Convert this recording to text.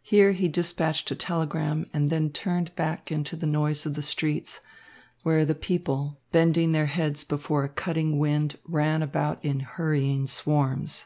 Here he despatched a telegram, and then turned back into the noise of the streets, where the people, bending their heads before a cutting wind, ran about in hurrying swarms.